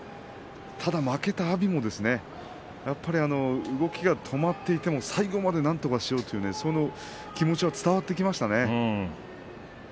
ただ負けた阿炎もやっぱり動きが止まっていても最後までなんとかしようというその気持ちが伝わってきましたね。